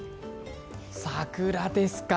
桜ですか。